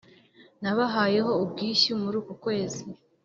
nabahaye ho ubwishyu muruku kwezi